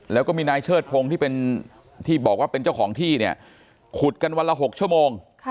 แล้วก็มีนายเชิดพงศ์ที่เป็นที่บอกว่าเป็นเจ้าของที่เนี่ยขุดกันวันละ๖ชั่วโมง